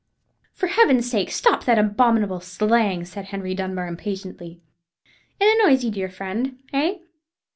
'" "For Heaven's sake, stop that abominable slang!" said Henry Dunbar, impatiently. "It annoys you, dear friend, eh?